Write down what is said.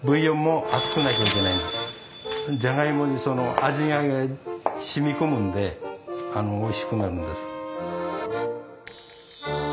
そうするとじゃがいもにその味がしみこむんでおいしくなるんです。